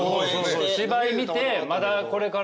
芝居見てまだこれから。